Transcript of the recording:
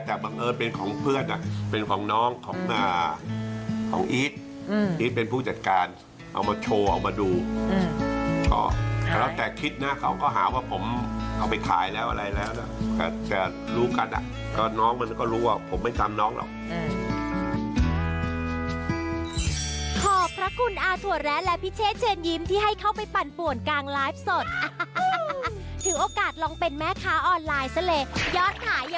แล้วก็ยังมีบริวารเกี่ยวกับเรื่องล้านคงล้านค้าอะไรอย่างเงี้ย